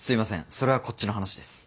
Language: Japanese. それはこっちの話です。